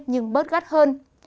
nhưng bớt gắt hơn